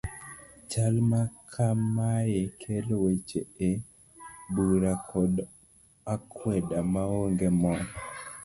Chal ma kamaye kelo weche e bura kod akweda maonge mor.